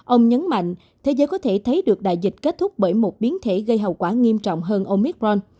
ông nhấn mạnh thế giới có thể thấy được đại dịch kết thúc bởi một biến thể gây hậu quả nghiêm trọng hơn omicron